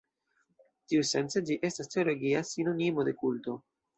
Tiusence ĝi estas teologia sinonimo de kulto.